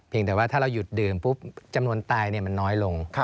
แต่ว่าถ้าเราหยุดดื่มปุ๊บจำนวนตายมันน้อยลง